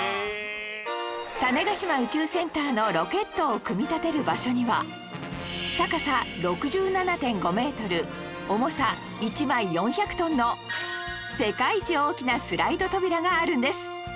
種子島宇宙センターのロケットを組み立てる場所には高さ ６７．５ メートル重さ１枚４００トンの世界一大きなスライド扉があるんです